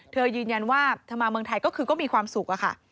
เธอยืนยันว่าเธอมาเมืองไทยก็คือก็มีความสุขอะค่ะ